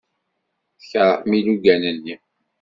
Tkeṛhem ilugan-nni.